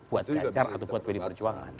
buat ganjar atau pd perjuangan